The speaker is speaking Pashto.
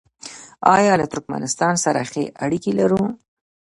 آیا له ترکمنستان سره ښې اړیکې لرو؟